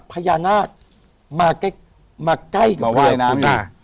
พญานาคมาใกล้กับพญานาค